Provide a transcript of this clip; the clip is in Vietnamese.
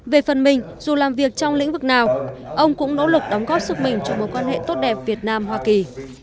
về phần mình dù làm việc trong lĩnh vực nào ông cũng nỗ lực đóng góp sức mình cho mối quan hệ tốt đẹp việt nam hoa kỳ